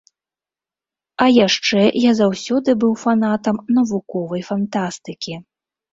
А яшчэ я заўсёды быў фанатам навуковай фантастыкі.